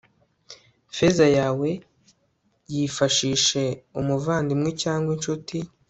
feza yawe, yifashishe umuvandimwe cyangwa incuti